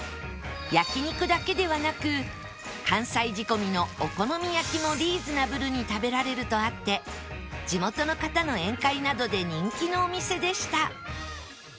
焼肉だけではなく関西仕込みのお好み焼きもリーズナブルに食べられるとあって地元の方の宴会などで人気のお店でした